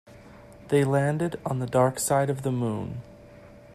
They landed on the dark side of the moon.